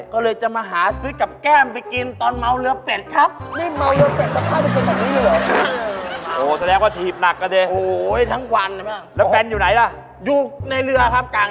ก็เลยจะมาหาซื้อกับแก้มไปกินตอนเมาเรือเป็ดครับ